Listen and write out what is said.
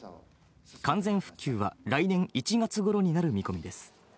完全復旧は来年１月頃になる見込みです。